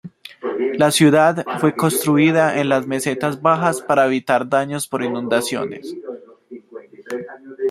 La ciudad fue construida en las mesetas bajas para evitar daños por inundaciones.